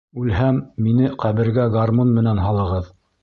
Үлһәм, мине ҡәбергә гармун менән һалығыҙ!